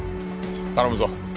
頼むぞ。